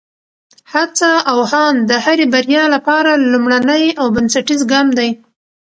هڅه او هاند د هرې بریا لپاره لومړنی او بنسټیز ګام دی.